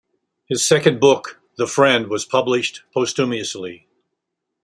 His second book, "The Friend", was published posthumously.